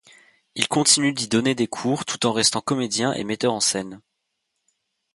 Il continue d'y donner des cours, tout en restant comédien et metteur en scène.